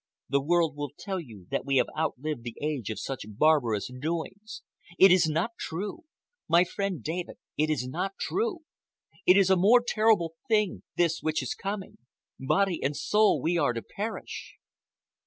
The world would tell you that we have outlived the age of such barbarous doings. It is not true. My friend David, it is not true. It is a more terrible thing, this which is coming. Body and soul we are to perish."